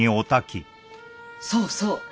そうそう。